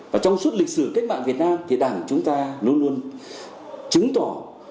và trong suốt lịch sử cách mạng việt nam thì đảng chúng ta luôn luôn chứng tỏ